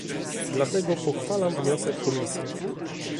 Dlatego pochwalam wniosek Komisji